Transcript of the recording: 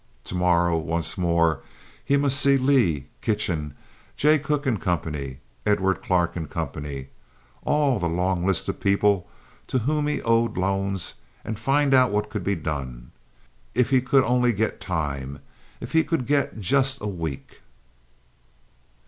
To morrow, once more he must see Leigh, Kitchen, Jay Cooke & Co., Edward Clark & Co.—all the long list of people to whom he owed loans and find out what could be done. If he could only get time! If he could get just a week!